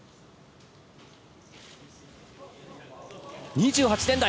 ２８点台。